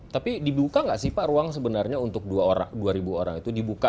tapi dibuka nggak sih pak ruang sebenarnya untuk dua orang itu dibuka